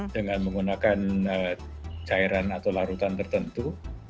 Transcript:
dengan menggunakan cairan atau larutan tertentu